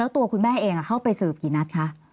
ตัวคุณแม่เองเข้าไปสืบกี่นัดคะ